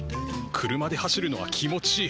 車で走るのは気持ちいい。